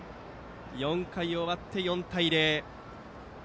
４回終わって、４対０。